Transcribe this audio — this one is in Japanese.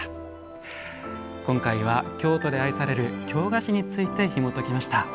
今回は京都で愛される京菓子についてひもときました。